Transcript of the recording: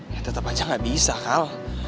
ya tetap aja gak bisa kal